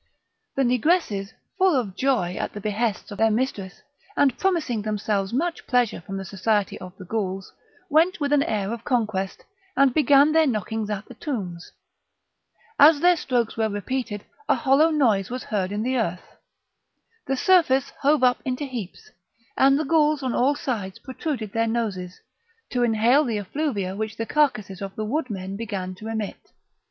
The negresses, full of joy at the behests of their mistress, and promising themselves much pleasure from the society of the Gouls, went with an air of conquest, and began their knockings at the tombs; as their strokes were repeated a hollow noise was heard in the earth, the surface hove up into heaps, and the Gouls on all sides protruded their noses, to inhale the effluvia which the carcases of the wood men began to emit.